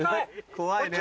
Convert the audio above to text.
怖いね。